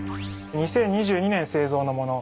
２０２２年製造のもの。